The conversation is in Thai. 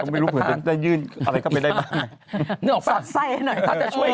มันสอบไส้ให้หน่อย